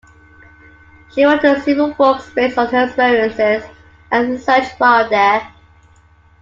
She wrote several books based on her experiences and research while there.